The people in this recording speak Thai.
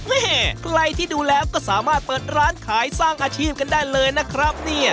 แม่ใครที่ดูแล้วก็สามารถเปิดร้านขายสร้างอาชีพกันได้เลยนะครับเนี่ย